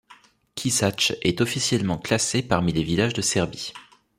Kisač est officiellement classé parmi les villages de Serbie.